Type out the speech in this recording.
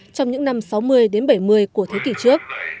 trong những năm sáu mươi đến bảy mươi của thế kỷ trước